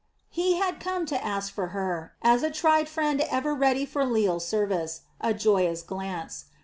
He had come to ask from her, as a tried friend ever ready for leal service, a joyous glance.